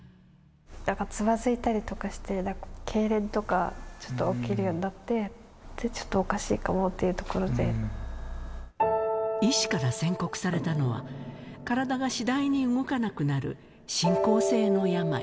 なんかつまずいたりとかして、けいれんとか、ちょっと起きるようになって、ちょっとおかしいか医師から宣告されたのは、体が次第に動かなくなる進行性の病。